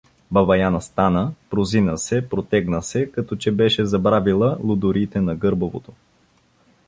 Баба Яна стана, прозина се, протегна се, като че беше забравила лудориите на Гърбавото.